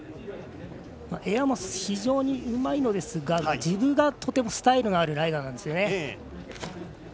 エアも非常にうまいんですがジブがとてもスタイルのあるライダーなんですよね。